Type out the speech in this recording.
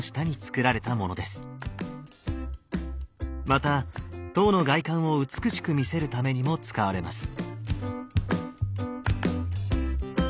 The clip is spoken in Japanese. また塔の外観を美しく見せるためにも使われます。